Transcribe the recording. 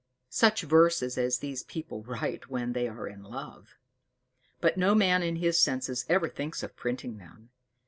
Such verses as these people write when they are in love! But no man in his senses ever thinks of printing them.